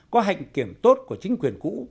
có hạnh kiểm tốt của chính quyền cũ